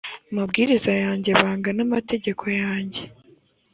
mabwiriza yanjye b banga n amategeko yanjye